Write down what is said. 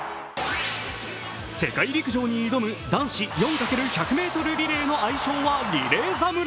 世界陸上に挑む男子４×１００ｍリレーの愛称はリレー侍。